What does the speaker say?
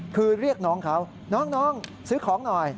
คือเรียกน้องเขาน้องซื้อของหน่อย